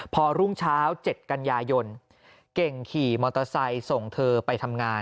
พอรุ่งเช้า๗กันยายนเก่งขี่มอเตอร์ไซค์ส่งเธอไปทำงาน